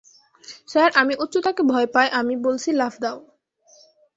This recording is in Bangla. স্যার, আমি উচ্চতাকে ভয় পাই - আমি বলছি লাফ দাও।